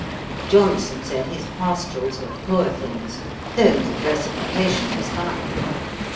Johnson said, his Pastorals were poor things, though the versification was fine.